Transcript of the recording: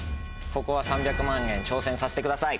ここは３００万円挑戦させてください。